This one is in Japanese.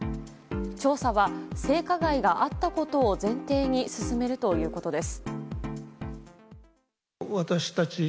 調査は、性加害があったことを前提に進めるということです。